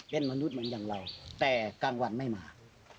เป็นมนุษย์เหมือนอย่างเราแต่กลางวันไม่มา